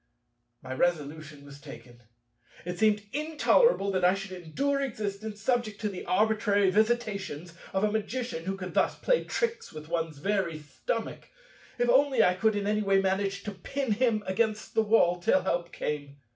My resolution was taken. It seemed intolerable that I should endure existence subject to the arbitrary visitations of a Magician who could thus play tricks with one's very stomach. If only I could in any way manage to pin him against the wall till help came!